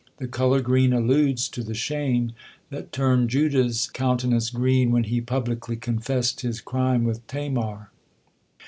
The color green alludes to the shame that turned Judah's countenance green when he publicly confessed his crime with Tamar.